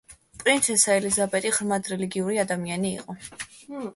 პრინცესა ელიზაბეტი ღრმად რელიგიური ადამიანი იყო.